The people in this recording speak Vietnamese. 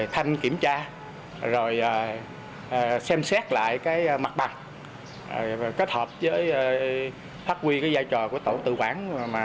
thanh kiểm tra xem xét lại mặt bằng kết hợp với phát huy giai trò của tổ tự quản